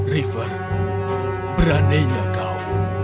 river beraninya kau